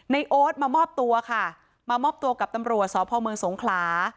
โอ๊ตมามอบตัวค่ะมามอบตัวกับตำรวจสพเมืองสงขลา